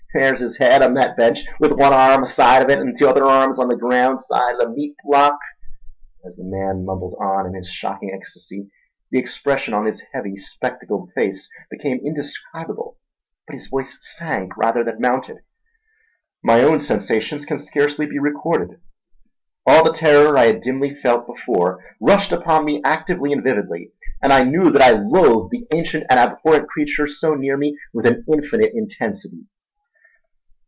Thar's his head on thet bench, with one arm side of it, an' t'other arm's on the graound side o' the meat block." As the man mumbled on in his shocking ecstasy the expression on his hairy, spectacled face became indescribable, but his voice sank rather than mounted. My own sensations can scarcely be recorded. All the terror I had dimly felt before rushed upon me actively and vividly, and I knew that I loathed the ancient and abhorrent creature so near me with an infinite intensity.